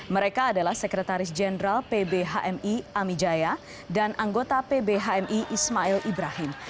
mereka adalah sekretaris jenderal pb hmi amijaya dan anggota pb hmi ismail ibrahim